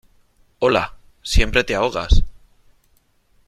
hola . siempre te ahogas ,